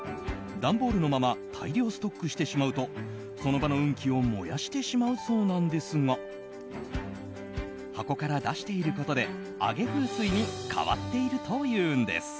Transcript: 段ボールのまま大量ストックしてしまうとその場の運気を燃やしてしまうそうなんですが箱から出していることで上げ風水に変わっているというんです。